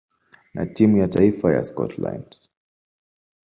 na timu ya taifa ya Scotland.